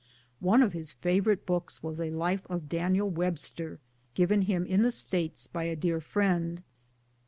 One of his favorite books was a life of Daniel Webster, given him in the States by a dear friend.